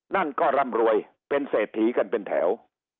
นั่นก็ร่ำรวยเป็นเศรษฐีกันเป็นแถว